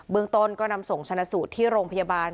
เบื้องต้นก็นำส่งสรรสุทธิ์ที่โรงพยาบาล